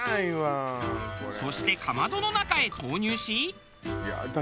そしてかまどの中へ投入し。